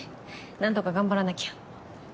何とか頑張らなきゃ。